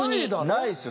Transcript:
ないですよ